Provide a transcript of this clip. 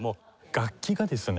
楽器がですね